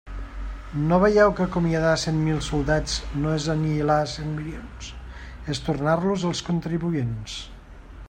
No veieu que acomiadar cent mil soldats no és anihilar cent milions, és tornar-los als contribuents.